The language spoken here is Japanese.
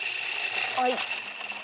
はい。